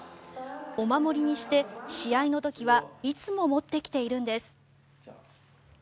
お守りにして、試合の時はいつも持ってきているんです。